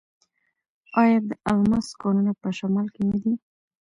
آیا د الماس کانونه په شمال کې نه دي؟